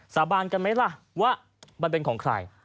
สาบานกันไหมล่ะว่ามันเป็นของใคร